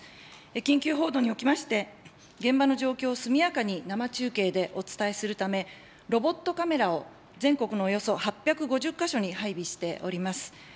緊急報道におきまして、現場の状況を速やかに生中継でお伝えするため、ロボットカメラを全国のおよそ８５０か所に配備しております。